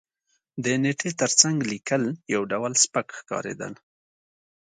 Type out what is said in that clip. د نېټې تر څنګ لېکل یو ډول سپک ښکارېدل.